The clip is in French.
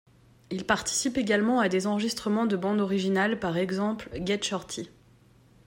Il participe également a des enregistrements de bandes originales par exemple Get Shorty.